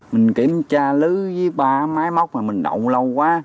mình kiểm tra lứ với ba máy móc mà mình động lâu quá